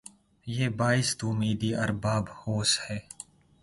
یہ باعث تومیدی ارباب ہوس ھے